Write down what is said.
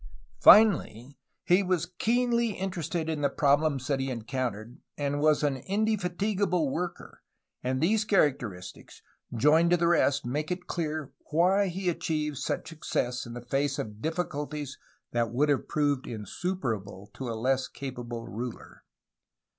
Finally, he was keenly interested in the problems that he encountered, and was an indefatigable worker, and these characteristics, joined to the rest, make it clear why he achieved such success in the face of difficulties that would have proved insuperable to a less capable ruler.